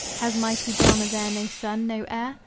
Has mighty Brahma there no son, no heir?